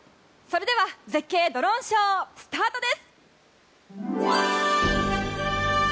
それでは絶景ドローンショースタートです！